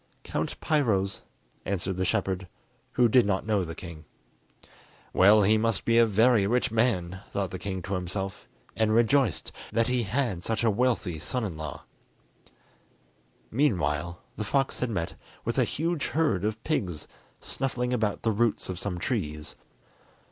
"Count Piro's," answered the shepherd, who did not know the king. "Well, he must be a very rich man," thought the king to himself, and rejoiced that he had such a wealthy son in law. Meanwhile the fox had met with a huge herd of pigs, snuffling about the roots of some trees.